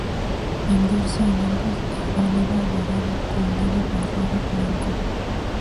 El dorso en ambos es oliva-dorado, con leve barrado blanco.